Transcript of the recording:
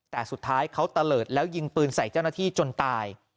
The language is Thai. แต่สุดท้ายเขาตะเลิศแล้วยิงปืนใส่เจ้าหน้าที่จนตาย